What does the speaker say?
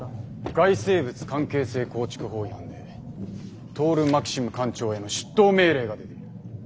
外生物関係性構築法違反でトオル・マキシム艦長への出頭命令が出ている。